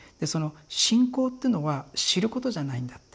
信仰っていうのは知ることじゃないんだ」って。